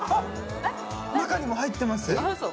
中にも入ってます。